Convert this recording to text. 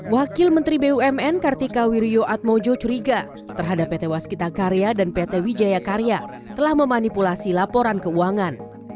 wakil menteri bumn kartika wirjo atmojo curiga terhadap pt waskita karya dan pt wijaya karya telah memanipulasi laporan keuangan